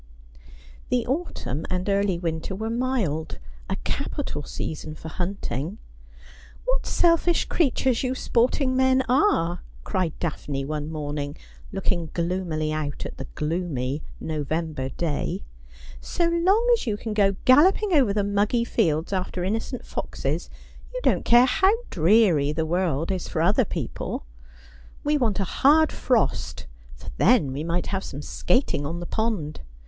The autumn and early winter were mild — a capital season for hunting. '• What selfish creatures you sporting men are !' cried Daphne one morning, looking gloomily out at the gloomy November day ;' so long as you can go galloping over the muggy fields after inno cent foxes you don't care how dreary the world is for other people. We want a hard frost, for then we might have some skating on the pond.